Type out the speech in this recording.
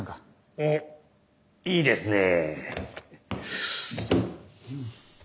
おっいいですねえ。